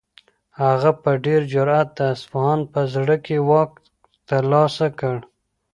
هغه په ډېر جرئت د اصفهان په زړه کې واک ترلاسه کړ.